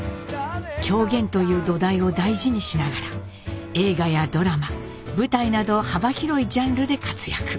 狂言という土台を大事にしながら映画やドラマ舞台など幅広いジャンルで活躍。